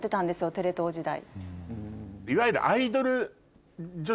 テレ東時代。